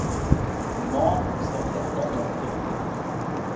Ses membres ont servi la France dans l'empire Ottoman.